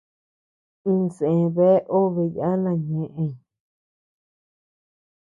Insë bea obe yana ñeʼen.